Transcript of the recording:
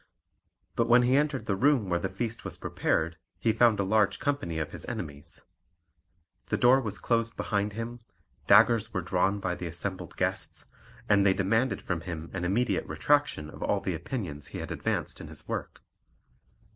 But when he entered the room where the feast was prepared he found a large company of his enemies. The door was closed behind him, daggers were drawn by the assembled guests, and they demanded from him an immediate retractation of all the opinions he had advanced in his work.